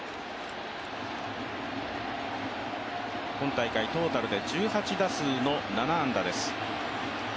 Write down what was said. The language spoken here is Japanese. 今大会トータルで１８打数の７安打です。